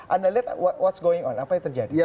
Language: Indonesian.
anda lihat apa yang terjadi